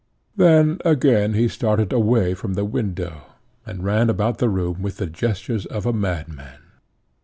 Then again he started away from the window, and ran about the room with the gestures of a madman.